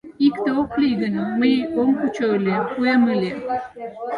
Икте ок лий гын, мый ом кучо ыле, пуэм ыле.